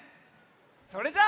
それじゃあ。